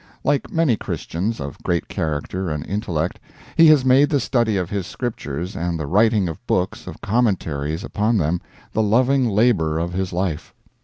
Like many Christians of great character and intellect, he has made the study of his Scriptures and the writing of books of commentaries upon them the loving labor of his life.